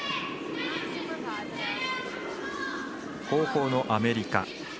後攻のアメリカ。